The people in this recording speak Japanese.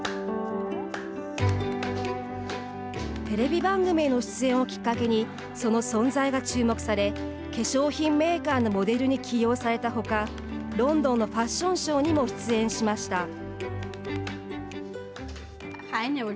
テレビ番組への出演をきっかけにその存在が注目され化粧品メーカーのモデルに起用されたほかロンドンのファッションショーにも出演しました。